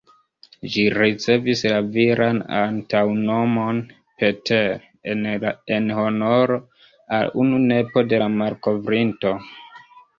Ĝi ricevis la viran antaŭnomon ""Peter"", en honoro al unu nepo de la malkovrinto.